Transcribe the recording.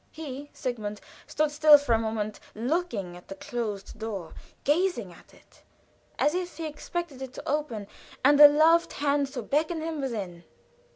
He, Sigmund, stood still for a moment, looking at the closed door; gazing at it as if he expected it to open, and a loved hand to beckon him within.